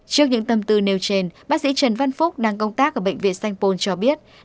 trước những tâm tư nêu trên bác sĩ trần văn phúc đang công tác ở bệnh viện sanh pôn cho biết